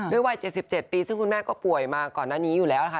วัย๗๗ปีซึ่งคุณแม่ก็ป่วยมาก่อนหน้านี้อยู่แล้วนะคะ